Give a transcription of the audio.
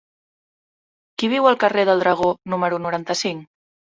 Qui viu al carrer del Dragó número noranta-cinc?